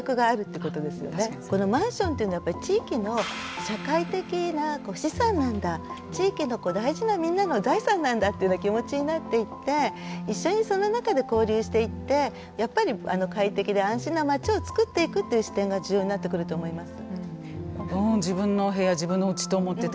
このマンションっていうのはやっぱり地域の社会的な資産なんだ地域の大事なみんなの財産なんだっていうような気持ちになっていって一緒にその中で交流していってやっぱり快適で安心な街を作っていくっていう視点が重要になってくると思います。